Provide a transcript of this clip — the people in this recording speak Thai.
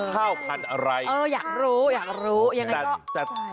ข้าวพันธุ์อะไรอยากรู้อยากรู้ยังไงก็ใช่ค่ะ